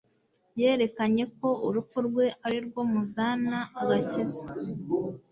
yerekanye ko urupfu rwe ari rwo mzana agakiza.